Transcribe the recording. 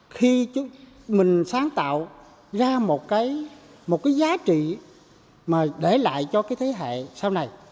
khi mình sáng tạo ra một cái giá trị để lại cho thế hệ sau này